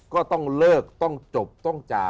ก็ต้องเลิกต้องจบต้องจ่า